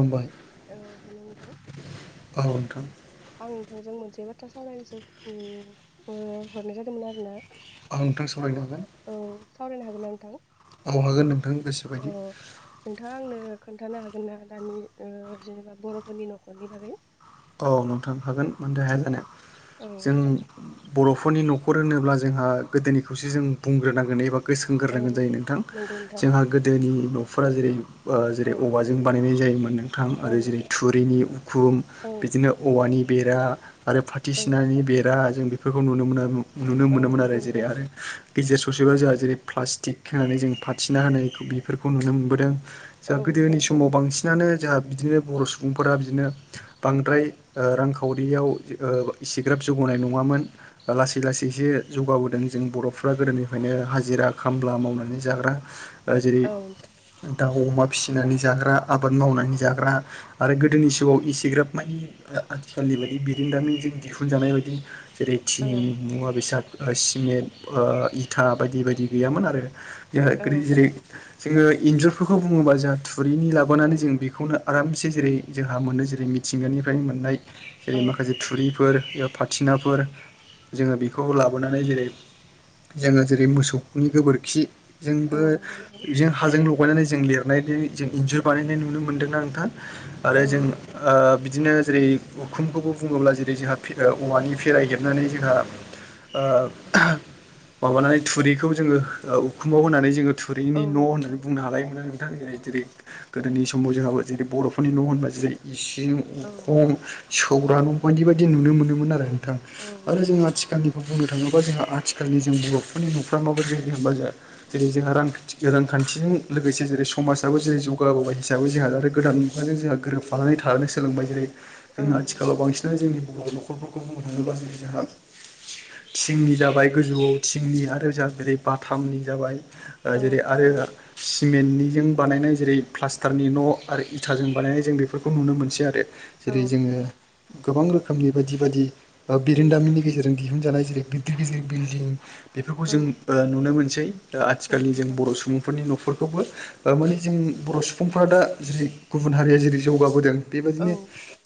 मुम्बाइ औ हेल नोंथां औ नोंथां आं नोंजों मोनसे बाथ्रा सावरायनोसो उम ओ हरनाय जादोंमोन आरोना आं नोंथां सावरायनो हागोन औ सावरायनो हागोन ना नोंथां औ हागोन नोंथां अ गोसोबायदि नोंथाङा आंनो खोन्थानो हागोन ना दानि ओ जेनेबा बरफोरनि नखरनि बागै औ नोंथां हागोन मानथो हाया जानो औ जों बरफोरनि नखर नखर होनोब्ला जोंहा गोदोनिखौसो जों बुंग्रोनांगोन एबा गोसोखांगोर औ नांगोन जायो नोंथां नंगौ नोंथां जोंहा गोदोनि नफोरा जेरै ओ औ जेरै औवाजों बानायनाय जायोमोन नोंथां आरो औ जेरै थुरिनि उखुम औ बिदिनो औवानि बेरा आरो फाथि औ सिनानि बेरा जों बेफोरखौ नुनो मोनो नुनो औ मोनोमोन नंगौ आरो जेरै नोंथां आरो गेजेर ससेबा जोंहा जेरै प्लास्टिक होनानै जों फथिना होनायखौ बेफोरखौ नुनो मोनबोदों जोंहा औ नंगौ नोंथां गोदोनि समाव बांसिनानो जोंहा बिदिनो बर' सुबुंफोरा बिदिनो बांद्राय ओ रांखावरियाव ओ एसेग्राब जौगानाय नङामोन लासै लासैसो जौगाबोदों जों बर'फ्रा गोदोनिफ्रायनो हाजिरा खामला मावनानै जाग्रा ओ जेरै औ दाउ अमा फिसिनानै जाग्रा आबाद मावनानै जाग्रा आरो गोदोनि समाव इसेग्राब मानि आथिखालनि बायदि बिरोंदामिनजों दिहुनजानाय बायदि जेरै थिं औ मुवा बेसाद सिमेन्ट ओ इथा बायदि बायदि गैयामोन आरो ग्रि ग्रि जेरै जोङो इन्जुरफोरखौ बुङोबा जोंहा थुरिनि लाबोनानै जों बेखौनो आरामसे जेरै जोंहा मोनो जेरै सिंगांनिफ्रायनो मोननाय जेरै माखासे औ थुरिफोर फाथिनाफोर जोङो बेखौ लाबोनानै जेरै जोङो जेरै मोसौनि गोबोरखि औ जोंबो नंगौ नोंथां बिजों हाजों लगायनानै जों लिरनायदि इन्जुर बानायनाय नुनो मोनदोंना नोंथां? आरो औ जों नोंगौ नोंथां। ओ बिदिनो जेरै उखुमखौबो बुङोब्ला जेरै जोंहा फि औवानि फिराय हेबनानै जोंहा ओ माबानानै थुरिखौ जोङो ओ उखुमाव होनानै जोङो औ थुरिनि न' नंगौ नोंथां होननानै बुंनो हालायोमोनना नोंथां जेरै जेरै गोदोनि समाव जोंहाबो जेरै बर'फोरनि न' होनबा जेरै इसिं औ उखं सौरा न' बायदि बाय दि नुनो मोनोमोन आरो नोंथां औ नंगौ आरो जों नोंथां आथिखालनि। बुंनो थाङोबा जोंहा आथिखालनि जों बर'फोरनि न'फ्रा माबादि हमबा जा जेरै जोंहा रांखान्थि रा थिजों लोगोसे जेरै समाजाबो जेरै जौगाबोबाय हिसाबै जोंहा आरो गोदान मुगाजों जोंहा गोरोब। बानानै थानो सोलोंबाय जेरै औ जों नंगौ आथिखालाव नोंथां औ बांसिनानो जों बर' न'खरफोरखौ बुंनो थाङोब्ला जों जोंहा। थिंनि जाबाय गोजौआव थिंनि आरो जा जेरै बाथामनि जाबाय। ओ जेरै आरो। सिमेन्टनिजों बानायनाय जेरै प्लास्टारनि न' आरो इथाजों बानायनाय जों बेफोरखौ नुनो मोनसै आरो। जेरै औ नंगौ जोङो नोंथां गोबां रोखोमनि बायदि बायदि ओ उम बिरोंदामिनि गेजेरजोंं। दिहुनजानाय जेरै गिदिर गिदिर बिल्डिं बेफोरखौ औ जों नुनो ओ मोनसै। दा नंगौ आथिखालनि जों नोंथां बर' सुबुंफोरनि न'फोरखौबो ओ माने औ जों बर' सुफुं फादा जेरै गुबुन हारिया जेरै जौगाबोदों औ बेबायदिनो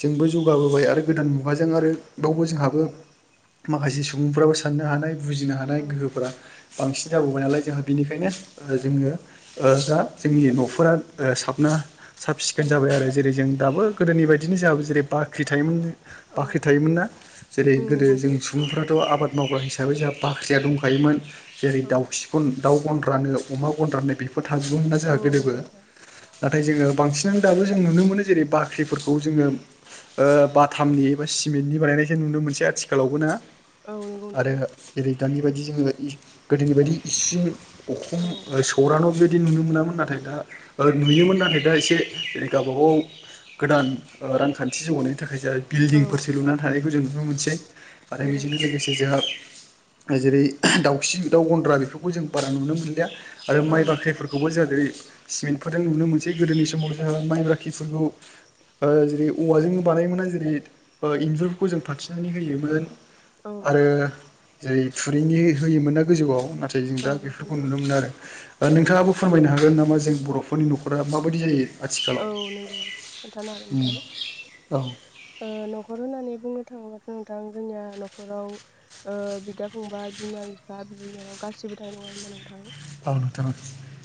जोंबो जौगाबोबाय आरो गोदान मुगाजों आरो बावबो जोंहाबो माखासे सुबुंफ्राबो साननो हानाय बुजिनो हानाय औ गोहोफोरा बांसिन जाबोबाय नालाय जोंहा बिनिखायनो ओ जोङो ओ दा जोंनि न'फोरा साबना साब सिखोन खाना जाबाय आरो आरोना जेरै जों दाबो गोदोनि बायदिनो जाबो जेरै बाख्रि थायोमोन बाख्रि औ थायोमोन ना जेरै उम गोदो नंगौ नोंथां जोंनि सुबुंफोराथ' आबाद मावग्रा हिसा बै जोंहा बाख्रिया दंखायोमोन जेरै औ दाउखिखौ दाउ गनद्रानो अमा गनद्रानो बेफ थाजोबोमोना औ जाहा गोदोबो नंगौ नोंथां नाथाय जोङो बांसिनानो दाबो जों नुनो मोनो जेरै बाख्रिफोरखौ जोङो ओ बाथामनि बा सिमेन्टनि बानायनायसो नुनो मोनसै आथिखालावबो ना? औ नंगौ नोंथां आरो जेरै दानि बायदि जोङो इ गोदोनि बायदि इसिं अखम औ ओ सौरा न' बेबायदि नुनो मोनामोन नाथाय दा ओ नुयोमोन नाथाय दा एसे गावबा गाव गोदान ओ रांखान्थि जौगानायनि थाखाय जा औ बिल्डिंफोरसो लुनानै थानायखौ जों नुनो मोनसै आरो नंगौ बेजोंनो नोंथां लोगोसे जोंहा। जेरै दाउखि दाउ गन्द्रा बेफोरखौ जों बारा नुनो मोनलिया। आरो औ माइ बाख्रिफोरखौबो जाहा दिनै सिमेन्टफोरजों नुनो मोनसै गोदोनि समाव जोंहा माइ बाखि फोरखौ ओ जेरै औवाजों बानायोमोना जेरै ओ इन्जुरफोरखौ जों फाथिनानै होयोमोन औ आरो जेरै थुरिनि होयोमोना गोजौआव नाथ य जों औ दा नंगौ बेफोरखौ नोंथां नुनो मोना आरो। ओ नोंथाङाबो फोरमायनो हागोन नामा जों बर'फोरनि न'खरा माबायदि जायो औ आथिखालाव नंगौ खोन्थानो हागोन नोंथां। औ ओ न'खर होननानै बुंनो थाङोबा। नोंथां जोंनिया न'खराव ओ बिदा-फंबाय, बिमा-बिफा, बिब' बिनानाव गासिबो थायो नङा होमबा नोंथां। औ नोंथां।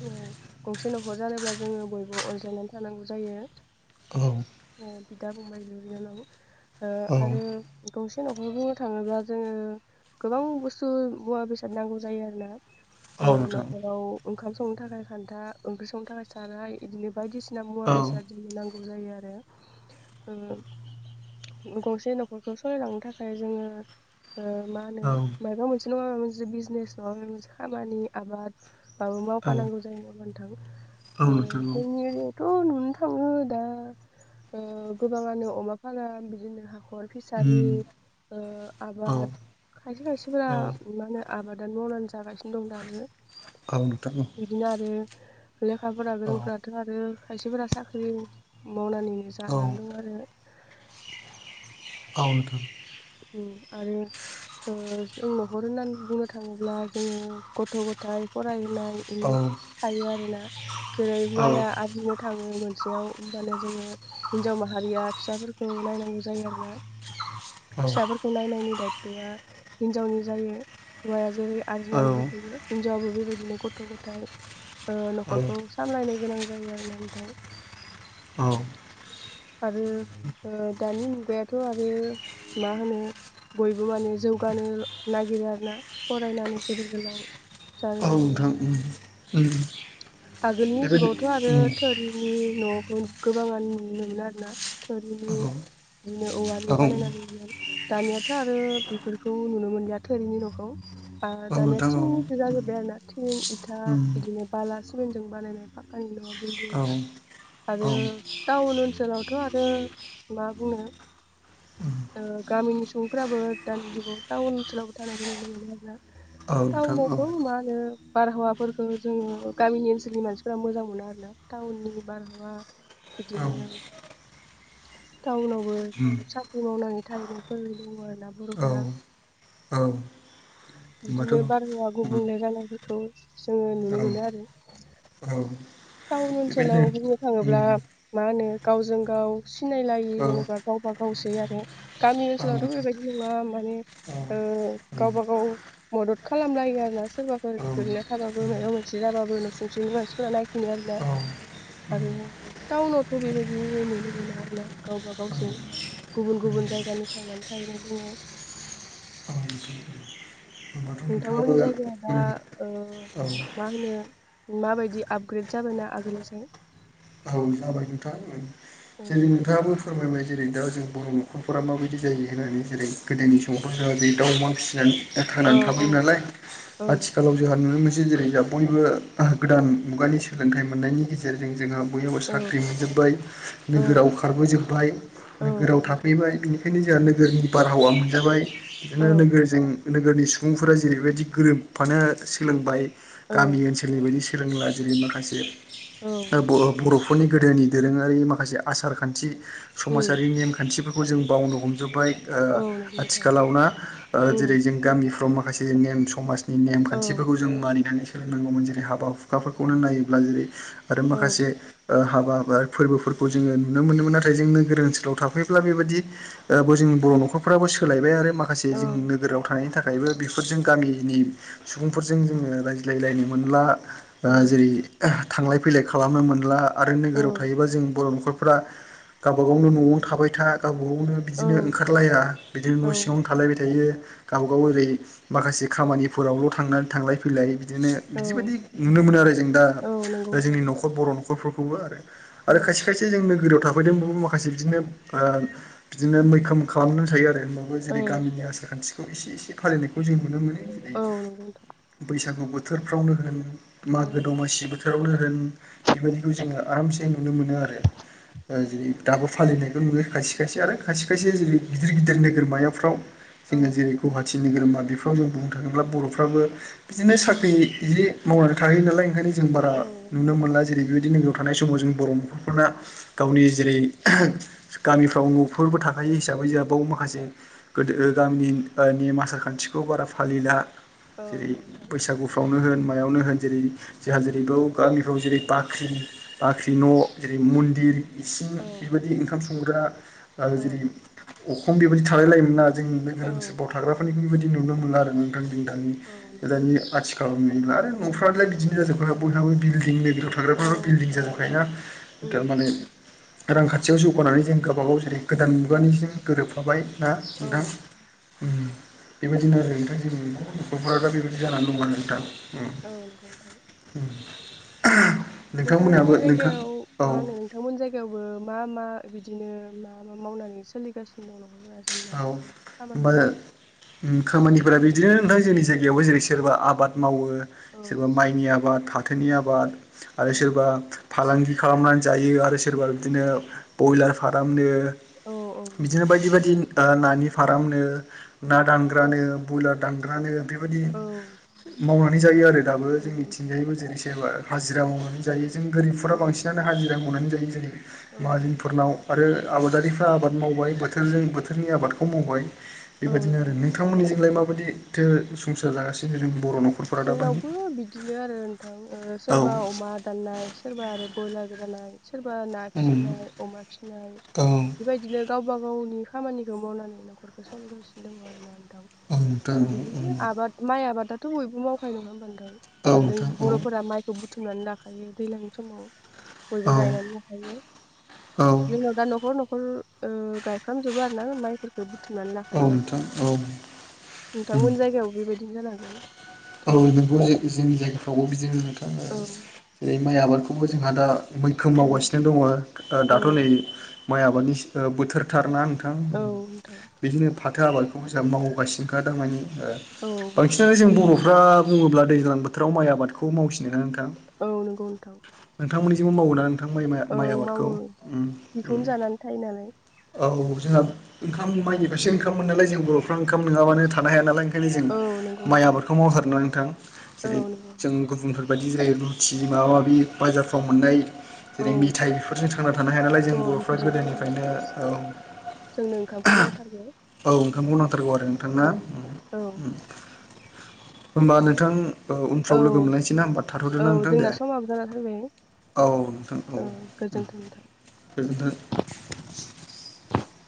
औ गंसे न'खर जानोब्ला जोङो बयबो अनज्लायनानै थानांगौ जायो। औ। बिदा-फंबाय बि' बिनानाव ओ औ आरो गंसे न'खर बुंनो थाङोब्ला जोङो गोबां बुस्थु मुवा बेसाद नांगौ जायो आरो ना औ नोंथां न'खराव ओंखाम संनो थाखाय खान्था, ओंख्रि संनो थाखाय साराइ इदिनो बायदिसिना मुवा औ बेसाद जोंनो नांगौ जायो आरो ओ गंसे न'खरखौ सालायलांनो थाखाय जोङो मा होनो औ माबा मोनसे नङा माबा मोनसे बिजनेस नङा माबा मोनसे खामानि आबाद औ मावफानांगौ जायो नङा होनबा नोंथां औ ओ नोंथां औ जोंनि थ' नुनो थाङो दा ओ गोबाङानो अमा फाराम बिदिनो हाखर हर फिसारि उम ओ औ आबाद खायसे खायसेफोरा औ मा होनो आबादानो मावनानै जागासिनो दं दाबो औ नोंथां लेखाफोरा औ गोरोंफोराथ' आरो खायसेफोरा साख्रि मावनानैनो औ जानानै दं आरो औ नोंथां औ आरो जों न'खर होननानै बुंनो थाङोब्ला जोङो गथ' गथाय फराय नाय औ थायो आरो ना जेरै औ हौवाया आजिनो थाङो मोनसेयाव होमबानो जोङो हिनजाव माहारिया फिसाफोरखौ नायनांगौ जायो आरोना फिसा फोरखौ नायनायनि दायथ'आ हिनजावनि जायो हौवाया जेरै, औ आरजिनानै होफैयो हिनजावबो बेबायदिनो गथ' गथाइ ओ न'खरखौ सामलायनो गोनां जायो आरोना नोंथां औ आरो ओ दानि मुगायाथ' आरो मा होनो बयबो माने जौगानो नागिरो आरोना फरायनानै गिदिर गोलाव जानो नागिरो ओम आगोलनि जुगावथ' आरो थोरिनि न'खौ गोबाङानो नुनो मोनोमोन आरो ना औ थोरिनि बिदिनो औवानि औ बानायना होयोमोन दानियाथ' आरो बेफोरखौ नुनो मोनलिया थोरिनि न'खौ दानिया नोंथां औ उम औ नोंथां औ थिंनिसो जाजोब्बाय आरो ना थिं इथा उम बिदिनो बाला सिमेन्टजों बानायनाय फाखानि न' बिलदिं, आरो टाउन ओनसोलाव आरो मा बुंनो ओ गामिनि सु सुबुंफ्राबो दानि जुगाव टाउन ओनसोलावबो थानायखौ नुनो मोनो आरोना टाउनावथ' मा होनो बारहावा फोरखौ जोङो गामिनि ओनसोलनि मानसि फोरा मोजां मोना आरो ना टाउननि बारहावा बिदिनो टाउनावबो साख्रि मावनानै थाहैनायफोर दङ आरोना बर' औ फोरा होनबाथ' बिदिनो बारहावा उम गुबुंले जानायफोर खौ जोङो नुनो औ मोनो आरो औ टाउन ओनसोलाव बेबायदिनो बुंनो थाङोब्ला उम मा होनो गावजों गाव सिनायलायै औ जेनेबा गावबा गावसै आरो गामि औ ओनसोलाव थ' नोंथां बेबायदि नङा माने औ ओ गावबा गाव मद'द खालामलायो आरोना सोरबाफोर औ औ गोलैना थाबाबो उम मायबा मोनसे जाबाबो न' सुंसेना मानसिफोरा नाय आरो ना औ आरो टाउनाव थ' बेबायदि नुनो मोना आरोना गावबा गावसै गुबुन गुबुन जायगानि थांनानै थाहैनाय जोङो होनबाथ' नोंथांमो ननि जायगाया दा नोंथाङाबो ओ औ मा होनो माबायदि आपग्रेड, जाबाय ना आगोलसिम औ, जाबाय नोंथां औ जेरै नोंथाङाबो, फोरमायबाय जेरै दा जों बर' न'खरफोरा माबायदि जायो होननानै जेरै गोदोनि समावथ जोंहा जेरै दाउ अमा फिसिनानै औ थांनानै औ थाबैयो नालाय आथि खालाव जोंहा नुनो मोनो। जेरै जा बयबो गोदान मुगानि सोलों थाइ मोननायनि गेजेरजों जोंहा बयहाबो औ साख्रि मोनजोब बाय औ नोगोराव खारबो जोबबाय औ नोगोराव नोंथां थाफैबाय बिनि बेंखायनो जोंहा गोरनि बारहावा मोनजाबाय बिदिनो औ नोगोरजों नोगोरनि सुबुंफोरा जेरै'बायदि गोरोबफानो सोलोंबाय गामि औ ओनसोलनि बायदि फोरोंला जेरै माखासे औ। बर'फोरनि गोदोनि दोरोङारि माखासे आसार खान्थि उम समाजारि नेम खान्थिफोर खौ जों बावनो हमजोब्बाय ओ औ नंगौ नोंथां आथिखालाव ना ओ जेरै उम जों गामिफ्र मा माखासे नेम समाजनि नेम औ खान्थिफोरखौ जों मानिनानै सो लोंनांगौमोन जेरै' हाबा हुखाफोरखौनो नायोब्ला जेरै' आरो औ माखासे ओ हाबा बा फोरबोफोरखौ जोङो नुनो मोनोमोन नाथाय जों नोगोर ओनसोलाव थाफैयोब्ला बेबायदि ओ बोजों बर' न'खरफ्राबो सोलायबाय आरो माखासे औ जोंनि नोगोराव थानायनि थाखा थाखायबो बेफोरजों गामिनि सुबुंफोरजों जोङो रायज्लायलायनो मोनला। ओ औ जेरै थांलाय फैलाय खालामनो मोनला आरो नोगोराव थायोबा जों बर'खर फोरा गावब गावनो न'आवनो थाबाय था। बा बबावनो औ बिदिनो ओंखारलाया बिदिनो औ न' सिङावनो थालायबाय थायो। गाव गाव ओरै माखासे खामानिफोरावल' थांनानै थांलाय फैलाय बिदिनो औ बिदि बायदि नुनो मोनो आरो जों दा औ नंगौ नोंथां जोंनि न'खर बर' न'खरफोरखौबो आरो। औ आरो खायसे खायसे जों नोगोराव था बायदि नुनो माखासे बिदिनो ओ बिदिनो मैखोम खालामनानै थायो आरो। नुबाय औ जेर' गामिनि आसार खान्थिखौ एसे एसे फालिनाय खौ जों नुनो मोनो जेरै' औ नंगौ नोंथां बैसागु बोथोरफ्रावनो होन मागो औ दमासि बोथोरावनो होन बेबायदि खौ जोङो आरामसे नुनो मोनो आरो। ओ औ जैरै' दाबो फालिनायखौ नुयो खायसे खायसे आरो खायसे खायसे जेरै गिदिर गिदिर नोगोरमायाफ्राव जोङो जेरै गुवाहाटी निग्रोरोमा बेफोराव बुंनो थाङोब्ला बर'फ्राबो बिदिनो साख्रि मावनानै थायो नालाय ओंखायनो जों बारा औ नंगौ नोंथां नुनो मोनला जेरै बिदि नोगआव थानाय समाव जों बर' न'खरफोराना गावनि जेरै गामिफ्राव न'फोरबो थाखायो हिसाबै जोंहा बाव माखासे गोदोओ गामिनि नि आसार खान्थि खौ बारा फालिला। औ जेरै' नंगौ नोंथां बैसागुफ्रावनो होन मायावनो होन जेरै' जोंहा जेरै'बयाव गामिफ्राव जेरै बा बाख्रि बाख्रि न' जेरै' मन्दिर इसिं औ बेबायदि ओंखाम संग्रा आ औ जेरै अखं बेबायाददि थालाय लायोमोन ना औ जोंनि [unintelligible] थाग्राफोरनि बेबाय नुनो मोनो आरो नोंथां थांनि औ नंगौ गोदानि नोंथां आथिखालाव निब्ला आरो न'फ्र्राालाय बिदिनो जाजोब बयहाबो बिलदिं औ थाग्राफोराबो बिल्डिं जाजोबय ना उम थारमाने रांखान्थियाव जौगानानै जों गावबा गाव जेरै' गोदान मुगानिजों गोरोबफाबाय ना औ नोंथां। बेबायदिनो आरो नोंथां जोंनि न'खरफोरा दा बेबायदि जानानै दं आरो नोंथां। औ नंगौ नोंथां। उम [unintelligible] नोंथांमोनहाबो नोंथांमोननि नोंथां जायगायाव औ मा होनो नोंथांमोननि जायगायावबो मा मा बिदिनो मा मा मावनानै सोलिगासिनो दं? न'खरफोरा जेनेबा औ बायो खामानिफोरा ओम खामानिफोरा बि बिदिनो नोंथां। जोंनि जायगायावबो जेरै' सोरबा आबाद मावो औ सोरबा माइनि आबाद फाथोनि आबाद औ आरो सोरबा फालांगि खालामनानै जायो आरो सोरबा बिदिनो बयलार फारामनो औ औ नंगौ बिदिनो नोंथां बायदि बायदि ओ नानि फारामनो औ ना दानग्रानो बयलार दानग्रानो बेबायाददि औ मावनानै जायो आरो दाबो नंगौ नोंथां जोंनिथिंजायबो जेरै सेबा हाजिरा मावनानै जायो जों गोरिबफोरा औ बांसिनानो हाजिरा मावनानै जायो जेरै औ माहाजोन फोरनाव। आरो आबादारिफ्रा आबाद मावबाय बोथोरजों बोथोरनि आबाद खौ मावबाय। औ बेबायदिनो नंगौ आरो नोंथां नोंथांमोननि जोंलाय माबायदिथो संसार जागासिनो जों बर' न'खर जोंनावबो बिदिनो आरो नोंथां ओ सोरबा औ अमा दाननाय सोरबा आरो ब्रयलार सोरबा ना उम फिनाय अमा फिनाय औ बेबायदिनो गावबा गावनि खामानिखौ मावनानै न'खरखौ सलिगासिनो दङ आरोना। औ नोंथां औ बिदिनो आबाद माइ आबादाथ' बयबो मावखायो नङा होनबा नोंथां? औ जोंनि नोंथां औ बर'फोरा माइखौ बुथुमनानै लाखायो दैज्लांनि समाव बयबो औ गायनानै लाखायो। औ जोंनाव दा न'खर न'खर न'खर ओ गायफ्रामजोबो आरो ना माइफोरखौ बुथुमनानै औ लाखायो नोंथां औ उम नोंथांमोन जायगायाव बेबायदिनो जानांगौ। औ नोंथां नंगौ जोंनि जायगाफ्रावबो बिदिनो थाङो औ आरो जेरै माइ आबादखौबो जोंहा दा मैखोम औ मावगासिनो दङ औ दाथ' नै माइ आबादनि बोथोरथारना? नोंथां औ उम नोंथां बिदिनो फाथो आबादखौ जों मावगासिनोखा दामानि। औ बांसिनानो जों बर'फ्रा बुङोब्ला दैज्लां बोथोराव माइ आबादखौ मावसिनो। औ नंगौ नोंथां। बिदिबो मावनानै नोंथां माइ ओं आबादखौ मावो बेखौनो जानानै थायो नालाय औ जोंहा ओंखाम माइनिफ्रायसो ओंखाम मोनो नालाय जों बर'फ्रा ओंखाम नङाबानो थानो हाया नालाय ओंखायनो जों औ नंगौ माइ नोंथां आबादखौ नोंथां औ जेरै नंगौ जों गुबुनफोरबायदि जायो खेथि माबा माबि बाजारफ्राव मोननाय औ जेरै मेथाइ बेफोरजों थांना थानो हाया नालाय जों औ बर'फ्रा बेफोरजों थांनानै गोदोनिफ्रायनो औ। जोंनो ओंखामखौ नांथारगौ औ ओंखामखौ नांथारगौ आरो नोंथां ना उम औ। [inaudible] होमबा नोंथां उनफ्राव लोगो औ मोनलायसैना होमबा औ थाथ'दोना नोंथां दे। जोंना समाबो जाना फैबाय औ नोंथां औ गोजोन्थों नोंथां। औ। [inaudible]